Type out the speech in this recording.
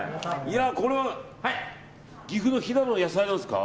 これ岐阜の飛騨の野菜なんですか。